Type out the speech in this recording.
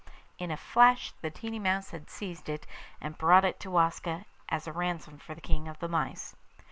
In a flash the tiny mouse had seized it, and brought it to Waska as a ransom for the King of the Mice.